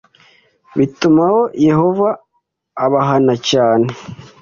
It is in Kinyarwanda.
bituma yehova abahana cyane.